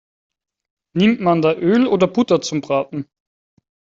Nimmt man da Öl oder Butter zum Braten?